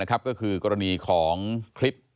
ก็คือกรณีของคลิป